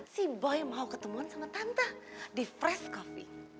si boy mau ketemuan sama tante di fresh coffee